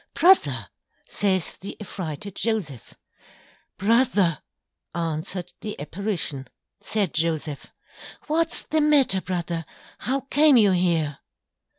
Brother! says the Affrighted Joseph. Brother! Answered the Apparition. Said Joseph, _What's the matter Brother? How came you here!